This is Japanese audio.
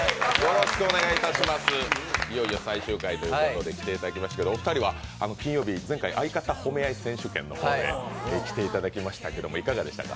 いよいよ最終回ということで来ていただきましたが、お二人は金曜日、前回「相方褒め合い選手権」の方で来ていただきましたが、どうでしたか。